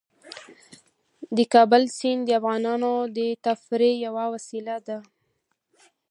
د کابل سیند د افغانانو د تفریح یوه وسیله ده.